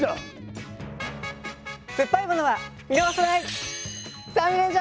すっぱいものはみのがさない！